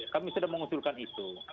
kami sudah mengusulkan itu